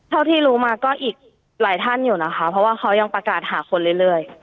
เท่าที่รู้มาก็อีกหลายท่านอยู่นะคะเพราะว่าเขายังประกาศหาคนเรื่อย